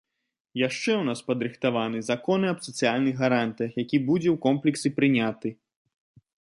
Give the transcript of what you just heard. Яшчэ ў нас падрыхтаваны закон аб сацыяльных гарантыях, які будзе ў комплексе прыняты.